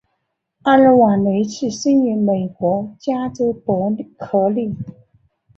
阿尔瓦雷茨生于美国加州伯克利。